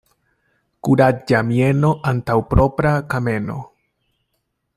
Kuraĝa mieno antaŭ propra kameno.